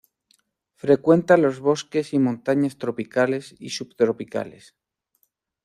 Frecuenta los bosques y montañas tropicales y subtropicales.